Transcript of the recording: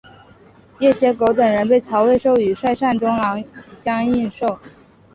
掖邪狗等人被曹魏授予率善中郎将印绶。